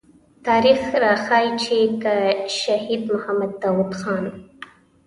تاريخ راښيي چې که شهيد محمد داود خان.